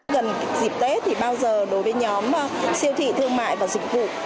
gần dịp tết thì bao giờ đối với nhóm siêu thị thương mại và dịch vụ